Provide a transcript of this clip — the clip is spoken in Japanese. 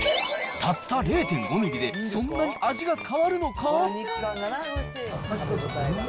たった０．５ミリでそんなに味が変わるのか？